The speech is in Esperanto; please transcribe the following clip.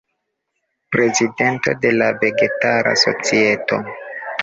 Prezidento de la Vegetara Societo.